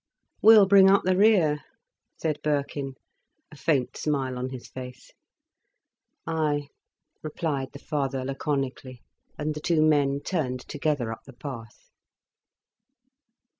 "We'll bring up the rear," said Birkin, a faint smile on his face. "Ay!" replied the father laconically. And the two men turned together up the path.